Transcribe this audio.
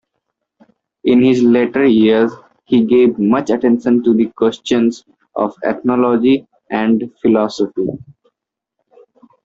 In his later years he gave much attention to questions of ethnology and philosophy.